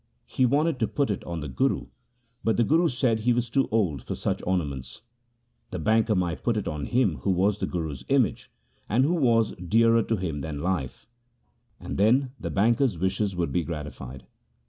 He wanted to put it on the Guru, but the Guru said he was too old for such ornaments. The banker might put it on him who was the Guru's image, and who was dearer to him than life, and then the banker's wishes would be gratified.